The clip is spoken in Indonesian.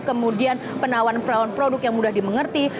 kemudian penawan penawan produk yang mudah dimengerti